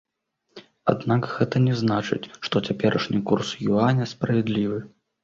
Аднак гэта не значыць, што цяперашні курс юаня справядлівы.